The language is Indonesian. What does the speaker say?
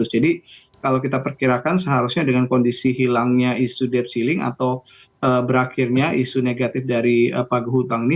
jadi kalau kita perkirakan seharusnya dengan kondisi hilangnya isu debt ceiling atau berakhirnya isu negatif dari pagu hutang ini